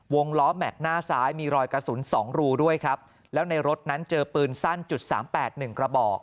ล้อแม็กซ์หน้าซ้ายมีรอยกระสุนสองรูด้วยครับแล้วในรถนั้นเจอปืนสั้นจุดสามแปดหนึ่งกระบอก